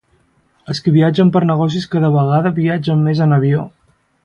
Els qui viatgen per negocis cada vegada viatgen més en avió.